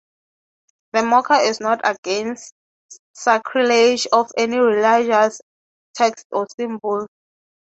The Morcha is not against sacrilege of any religious text or symbol.